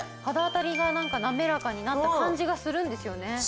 肌当たりがなんかなめらかになった感じがするんですよね。